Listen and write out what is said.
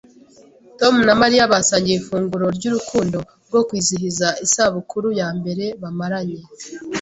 Tom na Mariya basangiye ifunguro ryurukundo rwo kwizihiza isabukuru yambere bamaranye.